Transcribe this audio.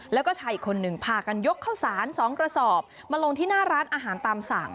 แล้วก็ชายอีกคนหนึ่งพากันยกข้าวสาร๒กระสอบมาลงที่หน้าร้านอาหารตามสั่ง